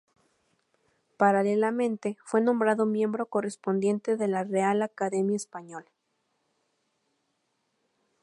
Paralelamente, fue nombrado miembro correspondiente de la Real Academia Española.